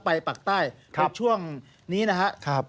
ปากใต้ในช่วงนี้นะครับ